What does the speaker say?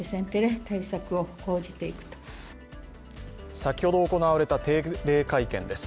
先ほど行われた定例会見です。